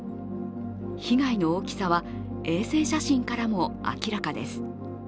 被害の大きさは衛星写真からも明らかです。